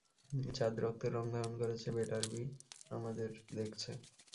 চাঁদ রক্তের রঙ ধারণ করেছে বেটারবি আমাদের দেখছে।